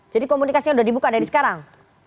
jadi komunikasinya sudah dibuka dari sekarang